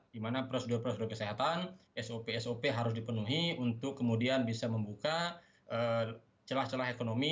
di mana prosedur prosedur kesehatan sop sop harus dipenuhi untuk kemudian bisa membuka celah celah ekonomi